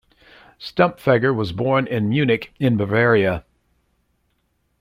Stumpfegger was born in Munich in Bavaria.